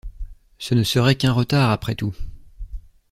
Ce ne serait qu’un retard, après tout.